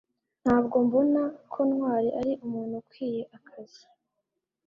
ntabwo mbona ko ntwali ari umuntu ukwiye akazi